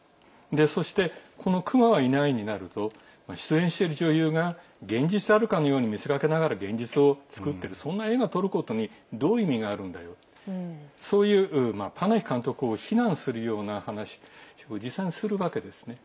そして「熊は、いない」になると出演している女性が現実であるかのように見せかけながら現実ではないそんな映画を撮ることにどういう意味があるんだよとそういうパナヒ監督を非難するような話実際にするわけですね。